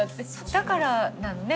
だからなのね